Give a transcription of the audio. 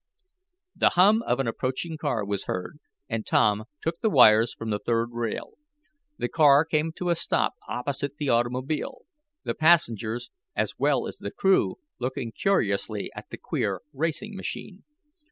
The hum of an approaching car was heard, and Tom took the wires from the third rail. The car came to a stop opposite the automobile, the passengers, as well as the crew, looking curiously at the queer racing machine.